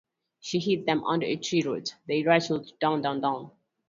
She hid them under a tree root; they rattled down, down, down.